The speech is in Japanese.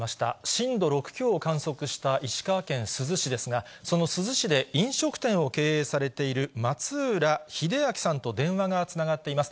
震度６強を観測した石川県珠洲市ですが、その珠洲市で飲食店を経営されているまつうらひであきさんと電話がつながっています。